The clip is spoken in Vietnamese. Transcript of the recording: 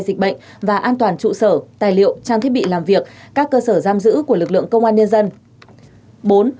dịch bệnh và an toàn trụ sở tài liệu trang thiết bị làm việc các cơ sở giam giữ của lực lượng công an nhân dân